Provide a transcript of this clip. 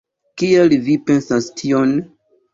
Kial vi pensas tion?